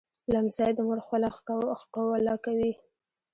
لمسی د مور خوله ښکوله کوي.